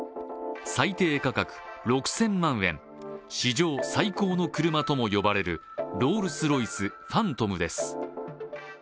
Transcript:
最低価格６０００万円、史上最高の車とも呼ばれるロールス・ロイス、ファントムです。